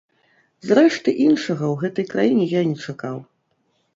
Зрэшты, іншага ў гэтай краіне я не чакаў.